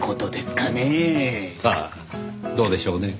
さあどうでしょうね。